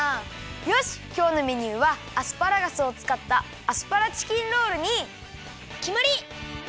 よしっきょうのメニューはアスパラガスをつかったアスパラチキンロールにきまり！